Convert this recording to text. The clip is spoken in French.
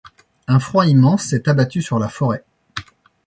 Un froid immense s'est abattu sur la Forêt.